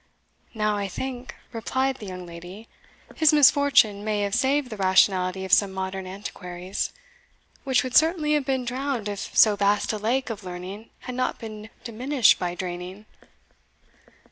"Now, I think," replied the young lady, "his misfortune may have saved the rationality of some modern antiquaries, which would certainly have been drowned if so vast a lake of learning had not been diminished by draining."